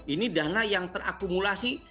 ini dana yang terakumulasi